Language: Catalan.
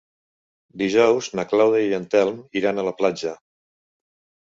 Dijous na Clàudia i en Telm iran a la platja.